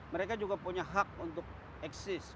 mereka juga punya hak untuk eksis